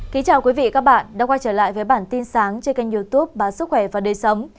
kính chào quý vị các bạn đã quay trở lại với bản tin sáng trên kênh youtube bá sức khỏe và đời sống